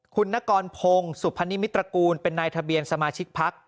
คุณนกรพงศ์สุพนิมิตรกูลเป็นนายทะเบียนสมาชิกพัก